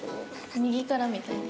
右からみたいな。